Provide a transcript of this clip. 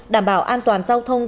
đảm bảo an toàn giao thông